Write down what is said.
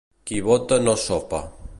Qui vota no sopa.